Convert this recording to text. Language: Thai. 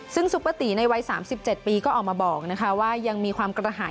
ซึ่งซุปเปอร์ตีในวัย๓๗ปีก็ออกมาบอกว่ายังมีความกระหาย